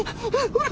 ほら！